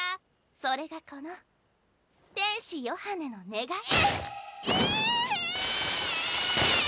それがこの天使ヨハネのねがいっ⁉いいい！